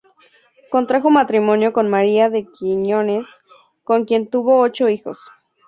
Contrajo matrimonio con María de Quiñones, con quien tuvo ocho hijos.